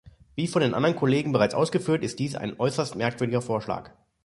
Wie von anderen Kollegen bereits ausgeführt, ist dies ein äußerst merkwürdiger Vorschlag.